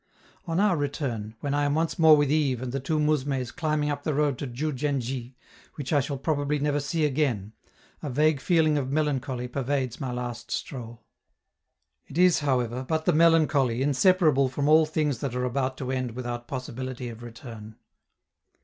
On our return, when I am once more with Yves and the two mousmes climbing up the road to Diou djen dji, which I shall probably never see again, a vague feeling of melancholy pervades my last stroll. It is, however, but the melancholy inseparable from all things that are about to end without possibility of return.